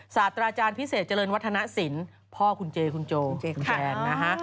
สาตราจารย์พิเศษเจริญวัฒนะศิลป์พ่อคุณเจคุณโจคุณแจน